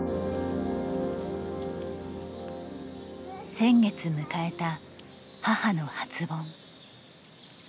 先月迎えた母の初盆。